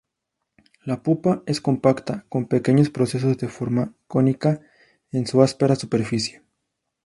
La pupa es compacta, con pequeños procesos de forma cónica en su áspera superficie.